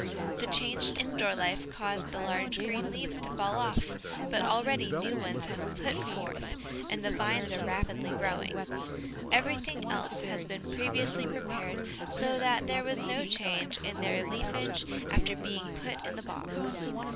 The change to indoor life caused the large green leaves to fall off, but already new ones have put forth, and the vines are rapidly growing. Everything else had been previously prepared so that there was no change in their leafage after being put in the box.